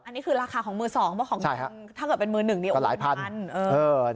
อันนี้คือราคาของมือสองถ้าเกิดเป็นมือหนึ่งก็หลายพัน